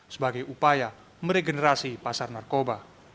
sebagai upaya meregenerasi pasar narkoba